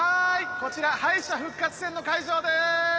こちら敗者復活戦の会場です！